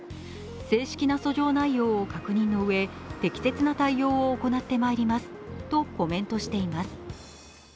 正式な訴状内容を確認のうえ適切な対応を行ってまいりますとコメントしています。